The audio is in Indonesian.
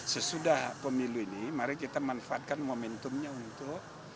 sesudah pemilu ini mari kita manfaatkan momentumnya untuk